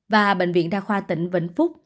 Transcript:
và bệnh viện đa khoa tỉnh vĩnh phúc